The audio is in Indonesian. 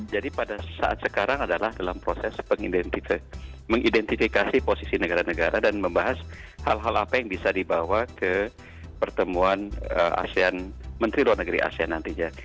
jadi pada saat sekarang adalah dalam proses mengidentifikasi posisi negara negara dan membahas hal hal apa yang bisa dibawa ke pertemuan menteri luar negeri asean nantinya